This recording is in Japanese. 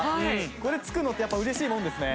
これつくのってやっぱ嬉しいもんですね。